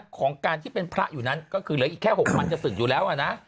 ก็คือเหลืออีกแค่๖วันจะสึกอยู่แล้วนะ